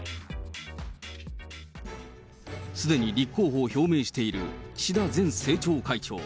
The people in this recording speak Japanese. すでに立候補を表明している岸田前政調会長。